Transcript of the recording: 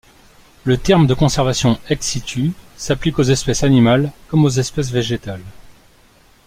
Le terme de conservation ex situ s'applique aux espèces animales comme aux espèces végétales.